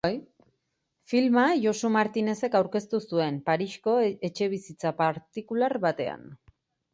Filma Josu Martinezek aurkitu zuen, Parisko etxebizitza partikular batean.